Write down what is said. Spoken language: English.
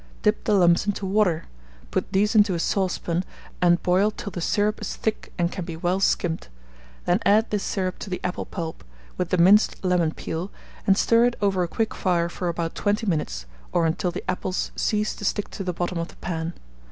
Dip the lumps into water; put these into a saucepan, and boil till the syrup is thick and can be well skimmed; then add this syrup to the apple pulp, with the minced lemon peel, and stir it over a quick fire for about 20 minutes, or until the apples cease to stick to the bottom of the pan.